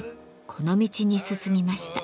この道に進みました。